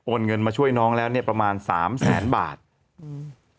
เงินมาช่วยน้องแล้วเนี้ยประมาณสามแสนบาทอืม